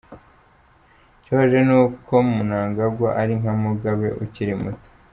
Ikibabaje ni uko Mnangagwa ari nka Mugabe ukiri muto”.